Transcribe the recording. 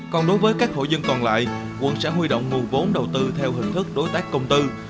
còn đối với các hội dân còn lại quận sẽ huy động nguồn vốn đầu tư theo hình thức đối tác công tư